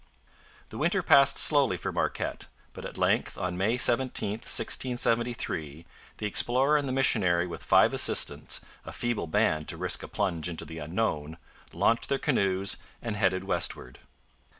The winter passed slowly for Marquette; but at length, on May 17, 1673, the explorer and the missionary with five assistants a feeble band to risk a plunge into the unknown launched their canoes and headed westward.